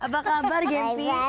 apa kabar gempi